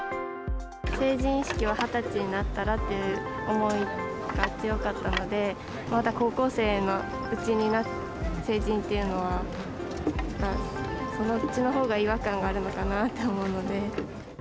成人式は２０歳になったらっていう思いが強かったので、まだ高校生のうちに成人というのは、そっちのほうが違和感があるのかなと思うので。